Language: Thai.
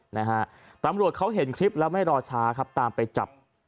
นะฮะตำรวจเขาเห็นคลิปแล้วไม่รอช้าครับตามไปจับ